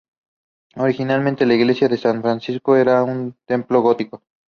Originalmente la iglesia de San Francisco era un templo gótico.